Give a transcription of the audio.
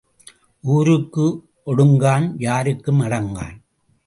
ஊருக்கு ஒடுங்கான், யாருக்கும் அடங்கான்.